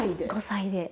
５歳で。